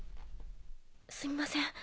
すみません